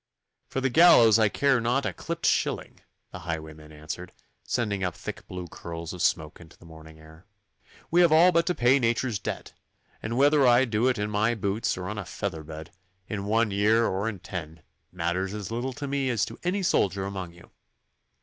'For the gallows I care not a clipped shilling,' the highwayman answered, sending up thick blue curls of smoke into the morning air. 'We have all to pay nature's debt, and whether I do it in my boots or on a feather bed, in one year or in ten, matters as little to me as to any soldier among you.